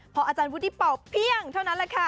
พออาจารย์วุฒิเป่าเพียงเท่านั้นแหละค่ะ